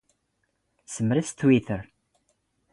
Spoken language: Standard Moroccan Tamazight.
ⵙⵙⵎⵔⵙ ⵜⵜⵡⵉⵜⵔ.